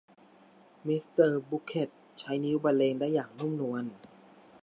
มิสเตอร์บุคเค็ทใช้นิ้วบรรเลงได้อย่างนุ่มนวล